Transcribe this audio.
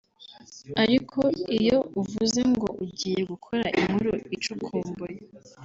Ariko iyo uvuze ngo ugiye gukora inkuru icukumbuye